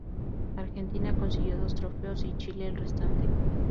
Argentina consiguió dos trofeos y Chile el restante.